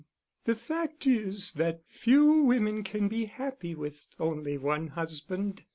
"The fact is that few women can be happy with only one husband.